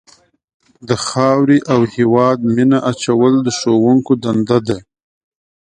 د خاورې او هېواد مینه اچول د ښوونکو دنده ده.